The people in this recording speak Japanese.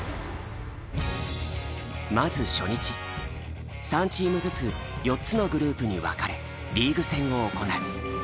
まず初日３チームずつ４つのグループに分かれリーグ戦を行う。